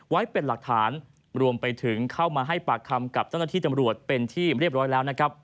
ไว้เป็นหลักฐานรวมไปถึงเข้ามาให้ปากคำกับเจ้าหน้าที่ตำรวจเป็นที่เรียบร้อยแล้วนะครับ